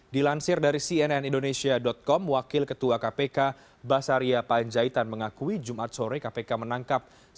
dilansir dari cnn indonesia com wakil ketua kpk basaria panjaitan mengakui jumat sore kpk menangkap